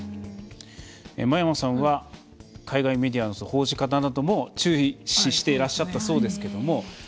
真山さんは海外メディアの報じ方なども、注視していらっしゃったそうですけども。